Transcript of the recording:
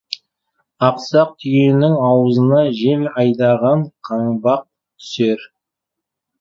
Ақсақ түйенің аузына жел айдаған қаңбақ түсер.